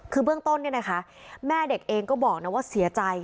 คือเบื้องต้นเนี่ยนะคะแม่เด็กเองก็บอกนะว่าเสียใจ